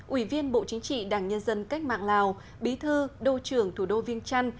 ủy viên bộ chính trị đảng nhân dân cách mạng lào bí thư đô trưởng thủ đô viên trăn